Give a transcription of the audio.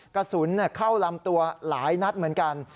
กระสุนเข้าลำตัวหลายนัดเหมือนกัน